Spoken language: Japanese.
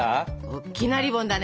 おっきなリボンだね？